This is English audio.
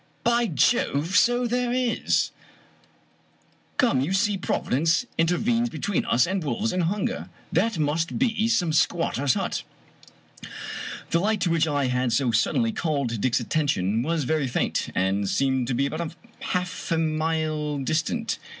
By Jove, so there is ! Come, you see Providence inter venes between us and wolves and hunger. That must be some squatter's hut." The light to which I had so suddenly called Dick's atten tion was very faint, and seemed to be about half a mile dis tant.